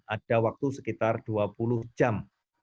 ada waktu sekitar dua puluh jam